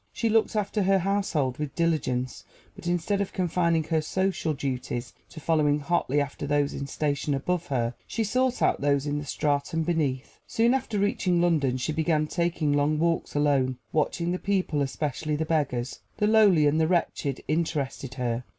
She looked after her household with diligence; but instead of confining her "social duties" to following hotly after those in station above her, she sought out those in the stratum beneath. Soon after reaching London she began taking long walks alone, watching the people, especially the beggars. The lowly and the wretched interested her.